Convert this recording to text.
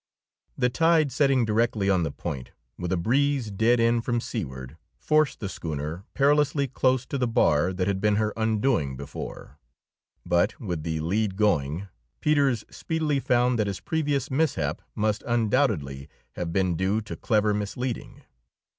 The tide setting directly on the Point, with a breeze dead in from seaward, forced the schooner perilously close to the bar that had been her undoing before; but, with the lead going, Peters speedily found that his previous mishap must undoubtedly have been due to clever misleading.